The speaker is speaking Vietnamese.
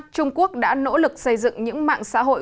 trung quốc đã nỗ lực xây dựng những mạng xã hội